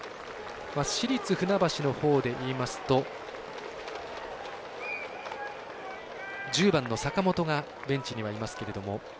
市立船橋のほうでいいますと１０番の坂本がベンチにはいますけども。